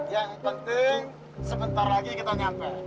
yang penting sebentar lagi kita nyampe